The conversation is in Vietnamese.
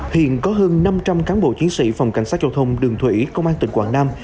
hiện có hơn năm trăm linh cán bộ chiến sĩ phòng cảnh sát giao thông đường thủy công an tỉnh quảng nam